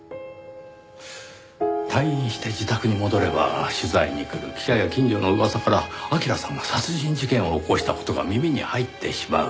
退院して自宅に戻れば取材に来る記者や近所の噂から明良さんが殺人事件を起こした事が耳に入ってしまう。